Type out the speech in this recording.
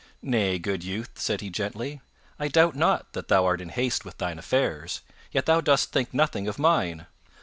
"Nay, good youth," said he gently, "I doubt not that thou art in haste with thine affairs, yet thou dost think nothing of mine.